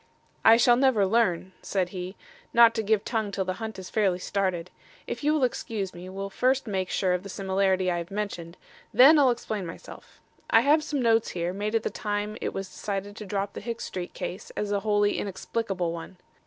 "I shall never learn," said he, "not to give tongue till the hunt is fairly started. If you will excuse me we'll first make sure of the similarity I have mentioned. Then I'll explain myself. I have some notes here, made at the time it was decided to drop the Hicks Street case as a wholly inexplicable one.